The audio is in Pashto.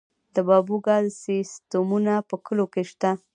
د بایو ګاز سیستمونه په کلیو کې شته؟